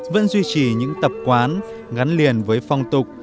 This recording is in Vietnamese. vẫn duy trì những tập quán gắn liền với phong tục